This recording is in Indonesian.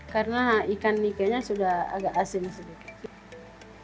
karena ikan nike nya sudah agak asin sedikit